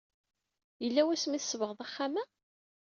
Yella wasmi ay tsebɣeḍ axxam-a?